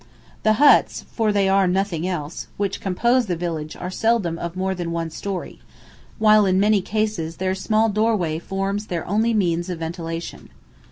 The huts for they are nothing else which compose the village are seldom of more than one storey, while in many cases their small doorway forms their only means of ventilation.